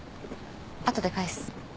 あとで返す。